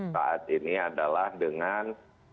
saat ini adalah dengan